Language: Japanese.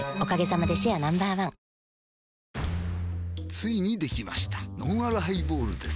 ついにできましたのんあるハイボールです